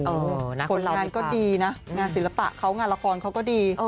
ผลงานก็ดีนะงานศิลปะเขางานละครเขาก็ดี